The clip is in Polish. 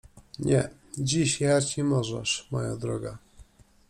— Nie, dziś jechać nie możesz, moja droga.